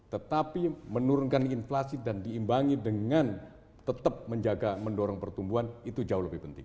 tetapi menurunkan inflasi dan diimbangi dengan tetap menjaga mendorong pertumbuhan itu jauh lebih penting